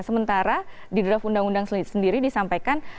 sementara di draft undang undang sendiri disampaikan